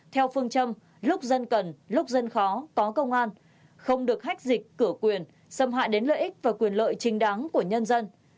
theo phương châm lúc dân cần lúc dân khó có công an không được hách dịch cửa quyền xâm hại đến lợi ích và quyền lợi chính đáng của nhân dân